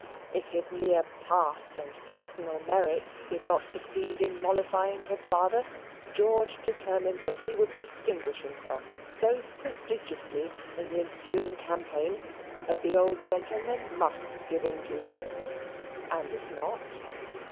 If his mere past and personal merits did not succeed in mollifying his father, George determined that he would distinguish himself so prodigiously in the ensuing campaign that the old gentleman must give in to him. And if not?